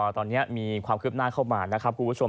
ตอนนี้มีความคืบหน้าเข้ามานะครับคุณผู้ชม